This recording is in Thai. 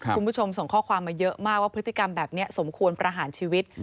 คุณผู้ชมส่งข้อความมาเยอะมากว่าพฤติกรรมแบบนี้สมควรประหารชีวิต